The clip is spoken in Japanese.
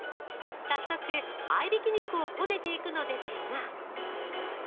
早速合いびき肉をこねていくのですが。